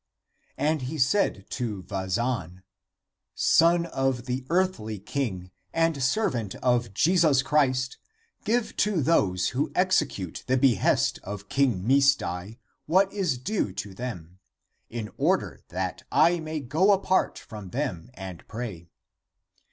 And he said to Vazan, " Son of the earthly king and servant of Jesus Christ, give to those who execute the behest of King Misdai what is due to them, in order that I may go apart from them and pray."